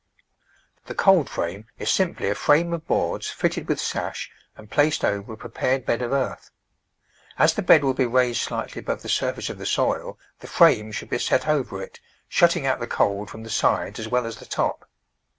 The cold frame is simply a frame of boards fitted with sash and placed over a prepared bed of earth. As the bed will be raised slightly above the surface of the soil, the frame should be set over it, shutting out the cold from the sides as well as the top.